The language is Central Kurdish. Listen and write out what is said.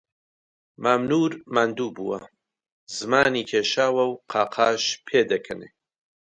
مام نوور ماندوو بووە، زمانی کێشاوە و قاقاش پێدەکەنێ